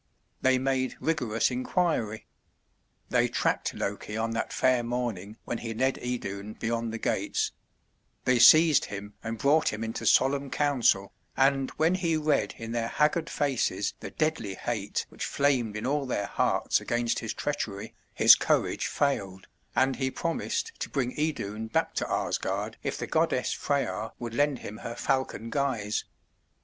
They made rigorous inquiry. They tracked Loki on that fair morning when he led Idun beyond the gates; they seized him and brought him into solemn council, and when he read in their haggard faces the deadly hate which flamed in all their hearts against his treachery, his courage failed, and he promised to bring Idun back to Asgard if the goddess Freyja would lend him her falcon guise.